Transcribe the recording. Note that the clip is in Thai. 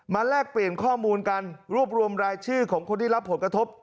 แลกเปลี่ยนข้อมูลกันรวบรวมรายชื่อของคนที่รับผลกระทบ